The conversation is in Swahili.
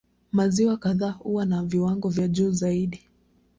Maziwa kadhaa huwa na viwango vya juu zaidi.